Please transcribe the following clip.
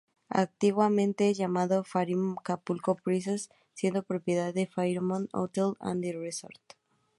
Antiguamente llamado "Fairmont Acapulco Princess" siendo propiedad de Fairmont Hotels and Resorts.